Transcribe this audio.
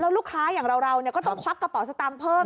ลูกค้าอย่างเราก็ต้องควักกระเป๋าสตางค์เพิ่ม